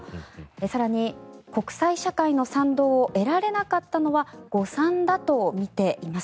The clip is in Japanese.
更に、国際社会の賛同を得られなかったのは誤算だとみています。